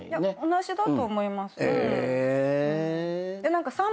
同じだと思います。